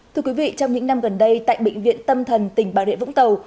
thưa quý vị trong những năm gần đây tại bệnh viện tâm thần tỉnh bà rịa vũng tàu